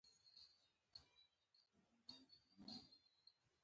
سوله بهتره ده.